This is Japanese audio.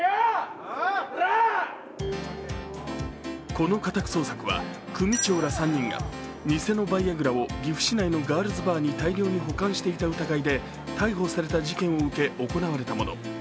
この家宅捜索は組長ら３人が偽のバイアグラを岐阜市内のガールズバーに大量に保管していた疑いで逮捕された事件を受けて行われたもの。